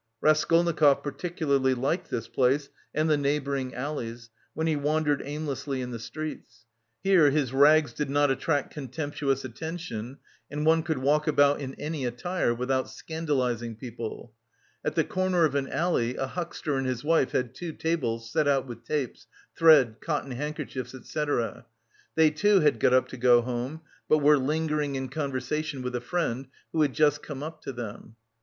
Raskolnikov particularly liked this place and the neighbouring alleys, when he wandered aimlessly in the streets. Here his rags did not attract contemptuous attention, and one could walk about in any attire without scandalising people. At the corner of an alley a huckster and his wife had two tables set out with tapes, thread, cotton handkerchiefs, etc. They, too, had got up to go home, but were lingering in conversation with a friend, who had just come up to them.